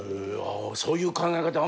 そういう考え方